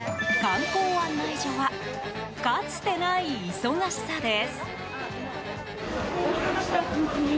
今、観光案内所はかつてない忙しさです。